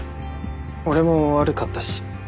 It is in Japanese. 俺も悪かったし。